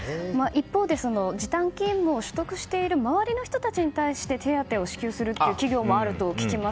一方で時短勤務を取得している周りの人たちに対して手当を支給するという企業もあると聞きます。